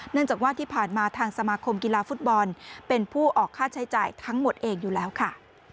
จากว่าที่ผ่านมาทางสมาคมกีฬาฟุตบอลเป็นผู้ออกค่าใช้จ่ายทั้งหมดเองอยู่แล้วค่ะ